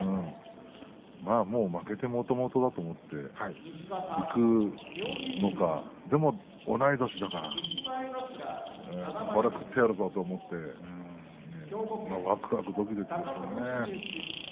もう負けてもともとと思っていくのかでも同い年だからこれを食ってやるぞとわくわく、どきどきでしょうね。